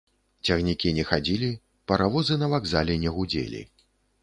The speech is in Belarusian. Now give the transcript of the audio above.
Цягнікі не хадзілі, паравозы на вакзале не гудзелі.